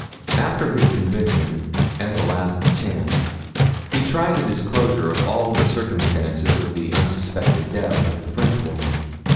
After his conviction, as a last chance, he tried a disclosure of all the circumstances of the unsuspected death of the Frenchwoman.